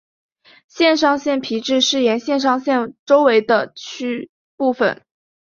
肾上腺皮质是沿肾上腺周围的部分。